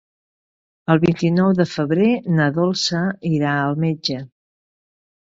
El vint-i-nou de febrer na Dolça irà al metge.